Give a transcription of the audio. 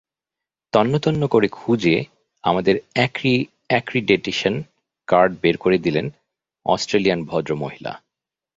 তন্নতন্ন করে খুঁজে আমাদের অ্যাক্রিডিটেশন কার্ড বের করে দিলেন অস্ট্রেলিয়ান ভদ্রমহিলা।